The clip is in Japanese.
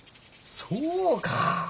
そうか。